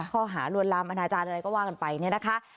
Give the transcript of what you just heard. ข้อหาลวนลามอนาจารย์อะไรก็ว่ากันไปเนี่ยนะคะ